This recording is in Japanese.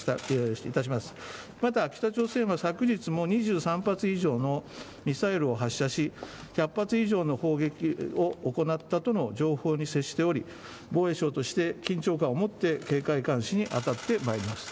また北朝鮮は昨日も２３発以上のミサイルを発射し１００発以上の砲撃を行ったとの情報に接しており防衛省として緊張感をもって警戒監視に当たってまいります。